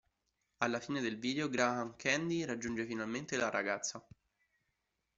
Alla fine del video Graham Candy raggiunge finalmente la ragazza.